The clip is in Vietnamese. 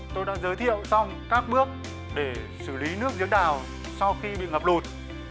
tôi đã giới thiệu xong các bước để xử lý nước giếng đào sau khi bị ngập lụt